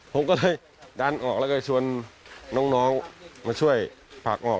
ผมก็เลยดันออกแล้วก็ชวนน้องมาช่วยผลักออก